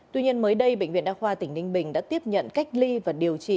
tuy nhiên mới đây bệnh viện đa khoa tỉnh ninh bình đã tiếp nhận cách ly và điều trị